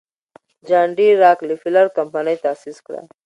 جان ډي راکلفیلر کمپنۍ تاسیس کړه.